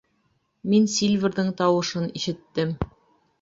Мин Сильверҙың тауышын ишеттем: